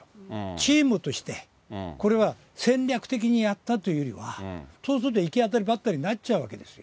チームとして、これは戦略的にやったというよりは、そうすると行き当たりばったりになっちゃうんですよ。